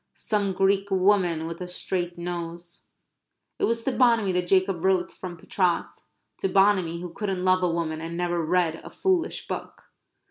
"Some Greek woman with a straight nose." It was to Bonamy that Jacob wrote from Patras to Bonamy who couldn't love a woman and never read a foolish book.